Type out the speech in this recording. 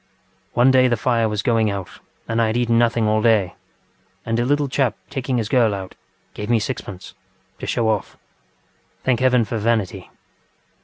One day the fire was going out and I had eaten nothing all day, and a little chap taking his girl out, gave me sixpenceŌĆöto show off. Thank heaven for vanity!